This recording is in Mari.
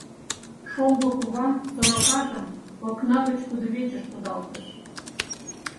— Шоҥго кува сорокажым окна гыч кудывечыш кудалтыш.